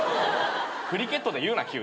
クリケットで言うな急に。